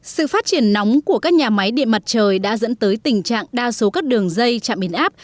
sự phát triển nóng của các nhà máy điện mặt trời đã dẫn tới tình trạng đa số các đường dây trạm biến áp